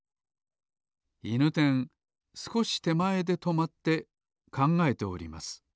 いぬてんすこしてまえでとまってかんがえております